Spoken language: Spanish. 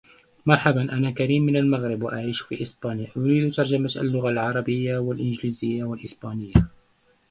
El presidente de la "Sociedad" es en la actualidad el cantautor yucateco Armando Manzanero.